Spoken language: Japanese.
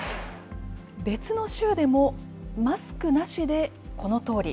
別の州でも、マスクなしでこのとおり。